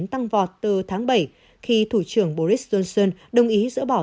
tăng vọt từ tháng bảy khi thủ trưởng boris johnson đồng ý dỡ bỏ